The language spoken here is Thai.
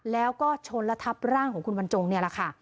แล้วก็ชนและทับร่างของคุณบรรจงนี่แหละค่ะ